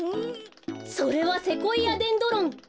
それはセコイアデンドロン。